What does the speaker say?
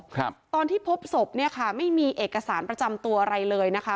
ครับตอนที่พบศพเนี่ยค่ะไม่มีเอกสารประจำตัวอะไรเลยนะคะ